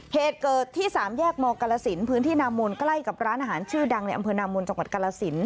เหตุเกิดที่สามแยกมกรสินพื้นที่นามนใกล้กับร้านอาหารชื่อดังในอำเภอนามนจังหวัดกาลสิน